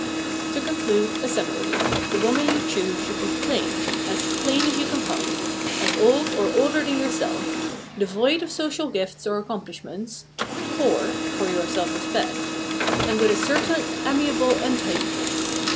To conclude, a summary. The woman you choose should be plain, as plain as you can find, as old or older than yourself, devoid of social gifts or accomplishments, poor for your self respect and with a certain amiable untidiness.